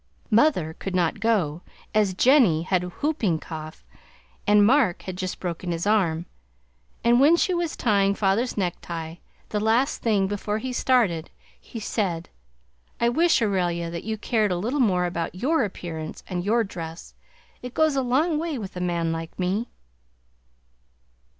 Mother could not go as Jenny had whooping cough and Mark had just broken his arm, and when she was tying father's necktie, the last thing before he started, he said: "I wish, Aurelia, that you cared a little about YOUR appearance and YOUR dress; it goes a long way with a man like me."